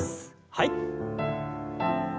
はい。